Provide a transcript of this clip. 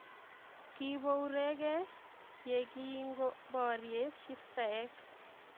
kiiborugei yekingoborye shiftaek